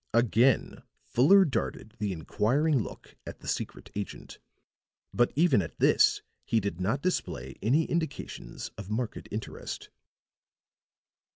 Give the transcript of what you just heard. Again Fuller darted the inquiring look at the secret agent; but even at this he did not display any indications of marked interest.